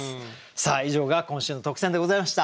さあ以上が今週の特選でございました。